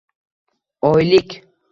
Oylik